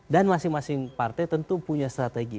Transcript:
dan masing masing partai tentu punya strategi